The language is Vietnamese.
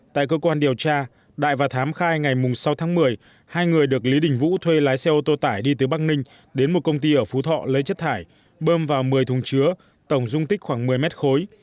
tại cơ quan điều tra đại và thám khai ngày sáu tháng một mươi hai người được lý đình vũ thuê lái xe ô tô tải đi từ băng ninh đến một công ty ở phú thọ lấy chất thải bơm vào một mươi thùng chứa tổng dung tích khoảng một mươi mét khối